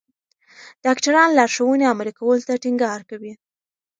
ډاکټران لارښوونې عملي کولو ته ټینګار کوي.